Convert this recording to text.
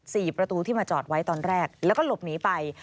ประตูที่มาจอดไว้ตอนแรกแล้วก็หลบหนีไป